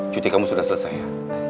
cuti kamu sudah selesai